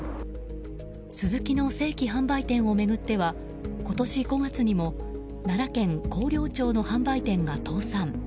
スズキの正規販売店を巡っては今年５月にも奈良県広陵町の販売店が倒産。